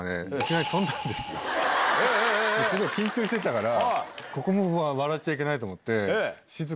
緊張してたから笑っちゃいけないと思って。